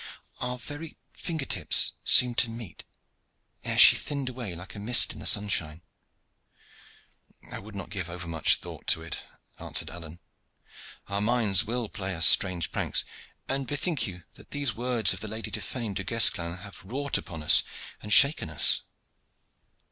Our very finger tips seemed to meet, ere she thinned away like a mist in the sunshine." "I would not give overmuch thought to it," answered Alleyne. "Our minds will play us strange pranks, and bethink you that these words of the Lady Tiphaine Du Guesclin have wrought upon us and shaken us."